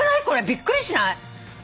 これびっくりしない！？